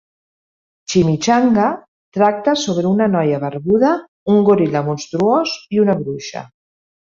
"Chimichanga" tracta sobre una noia barbuda, un goril·la monstruós i una bruixa.